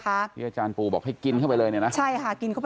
เจ้าของอาจารย์ปูบอกให้กินเข้าไปเลยเขาบอกกินได้ค่ะ